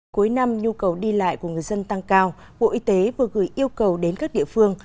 cuối năm nhu cầu đi lại của người dân tăng cao bộ y tế vừa gửi yêu cầu đến các địa phương